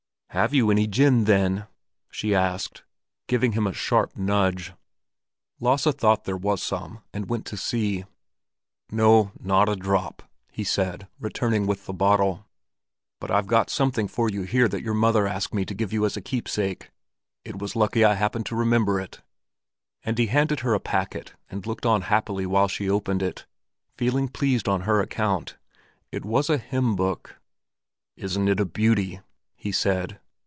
"Have you any gin, then?" she asked, giving him a sharp nudge. Lasse thought there was some, and went to see. "No, not a drop," he said, returning with the bottle. "But I've got something for you here that your mother asked me to give you as a keepsake. It was lucky I happened to remember it." And he handed her a packet, and looked on happily while she opened it, feeling pleased on her account. It was a hymn book. "Isn't it a beauty?" he said.